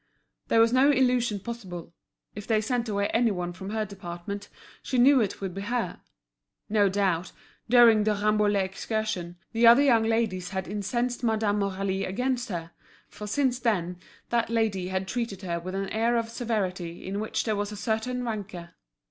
There was no illusion possible; if they sent away any one from her department she knew it would be her. No doubt, during the Rambouillet excursion, the other young ladies had incensed Madame Aurélie against her, for since then that lady had treated her with an air of severity in which there was a certain rancour.